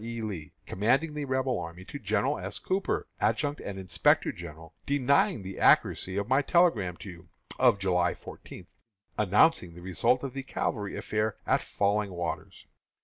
E. Lee, commanding the Rebel army, to General S. Cooper, Adjutant and Inspector General, denying the accuracy of my telegram to you, of July fourteenth, announcing the result of the cavalry affair at Falling Waters.